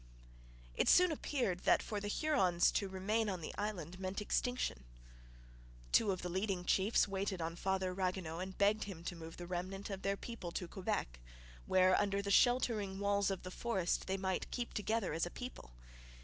It soon appeared that for the Hurons to remain on the island meant extinction. Two of the leading chiefs waited on Father Ragueneau and begged him to move the remnant of their people to Quebec, where under the sheltering walls of the fortress they might keep together as a people.